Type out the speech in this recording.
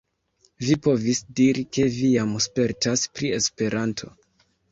Vi povis diri ke vi jam spertas pri Esperanto.